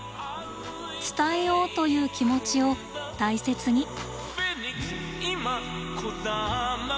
「伝えよう」という気持ちを大切に！